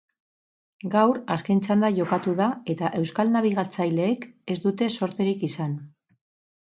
Gaur azken txanda jokatu da eta euskal nabigatzaileek ez dute zorterik izan.